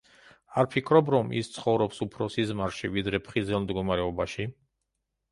არ ფიქრობ რომ ის ცხოვრობს უფრო სიზმარში, ვიდრე ფხიზელ მდგომარეობაში?